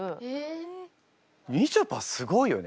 みちょぱすごいよね。